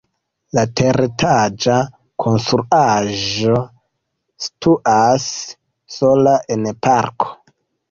La teretaĝa konstruaĵo situas sola en parko.